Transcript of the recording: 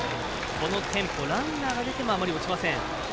このテンポ、ランナーが出てもあまり落ちません。